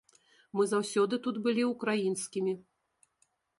Мы заўсёды тут былі украінскімі.